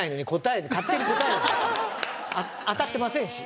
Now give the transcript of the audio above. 当たってませんし。